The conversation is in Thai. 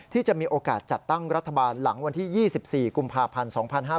ที่จะมีโอกาสจัดตั้งรัฐบาลหลังวันที่๒๔กุมภาพันธ์๒๕๕๙